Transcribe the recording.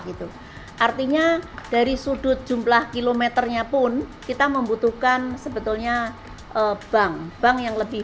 gitu artinya dari sudut jumlah kilometernya pun kita membutuhkan sebetulnya bank bank yang lebih